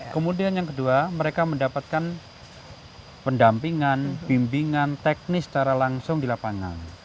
kemudian yang kedua mereka mendapatkan pendampingan bimbingan teknis secara langsung di lapangan